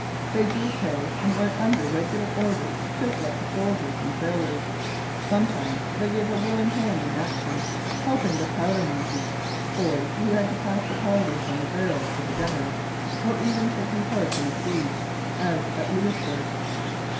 They drew pay and were under regular orders just like the soldiers and sailors. Sometimes they gave a willing hand in action, helping the 'powder monkeys' boys who had to pass the powder from the barrels to the gunners or even taking part in a siege, as at Louisbourg.